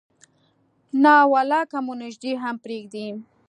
نه ولا که مو نږدې هم پرېږدي.